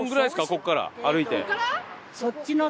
ここから歩いて。